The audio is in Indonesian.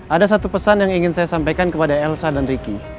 ada satu pesan yang ingin saya sampaikan kepada elsa dan ricky